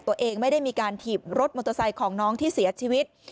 ตัวเองไม่ได้มีการถีบรถมอเตอร์ไซค์ของน้องที่เสียชีวิต